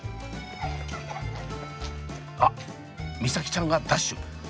あっ美沙輝ちゃんがダッシュ！